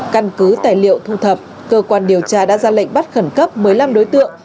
căn cứ tài liệu thu thập cơ quan điều tra đã ra lệnh bắt khẩn cấp một mươi năm đối tượng